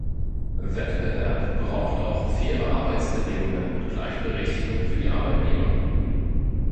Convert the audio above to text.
Wettbewerb braucht auch faire Arbeitsbedingungen und Gleichberechtigung für die Arbeitnehmer.